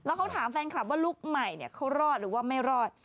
แล้วเขาถามแฟนคลับว่าลูกใหม่เขารอดหรือว่าไม่รอด